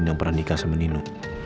yang pernah nikah sama nino